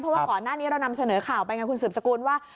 เพราะว่าก่อนหน้านี้เรานำเสนอข่าวไปไงคุณสืบสกุลว่า